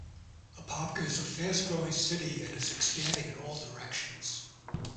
Apopka is a fast-growing city and is expanding in all directions.